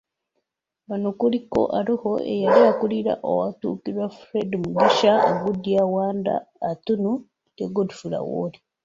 Bano kuliko; Aruho, eyali akulira awatuukirwa Fred Mugisha, Anguadia, Warder Atunu ne Geoffrey Owori.